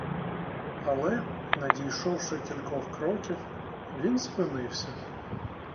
Але, не дійшовши кількох кроків, він спинився.